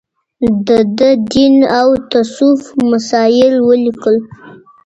ده د دين او تصوف مسايل وليکل